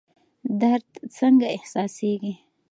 درد څنګه احساسیږي؟